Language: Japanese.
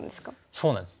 そうなんです。